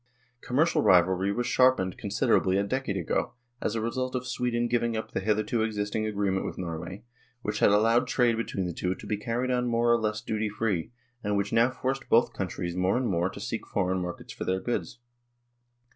Commercial rivalry was sharpened considerably a decade ago as a result of Sweden giving up the hitherto existing agreement with Norway, which had allowed trade between the two to be carried on more or less duty free, and which now forced both countries more and more to seek foreign markets for their goods.